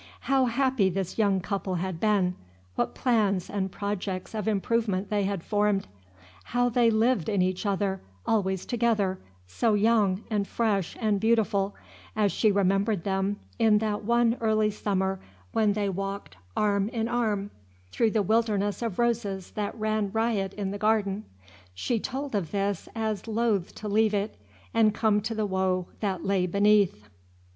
How happy this young couple had been, what plans and projects of improvement they had formed, how they lived in each other, always together, so young and fresh and beautiful as she remembered them in that one early summer when they walked arm in arm through the wilderness of roses that ran riot in the garden, she told of this as loath to leave it and come to the woe that lay beneath.